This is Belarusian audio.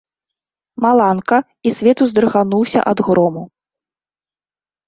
Маланка, і свет уздрыгануўся ад грому.